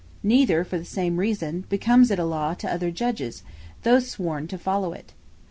Neither (for the same reason) becomes it a Law to other Judges, though sworn to follow it.